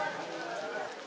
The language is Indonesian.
ini masih kooperatif